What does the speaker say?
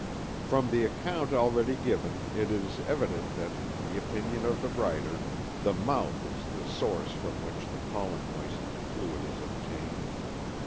From the account already given it is evident that, in the opinion of the writer, the mouth is the source from which the pollen moistening fluid is obtained.